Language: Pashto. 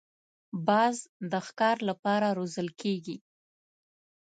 باز د ښکار له پاره روزل کېږي